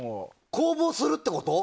公募するってこと？